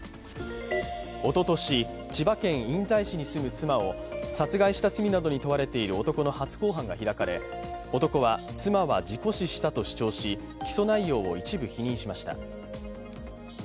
おととし、千葉県印西市に住む妻を殺害した罪などに問われている男の初公判が開かれ男は、妻は事故死したと主張し起訴内容を一部否認しました。